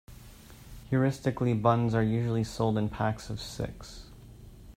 Heuristically buns are usually sold in packs of six.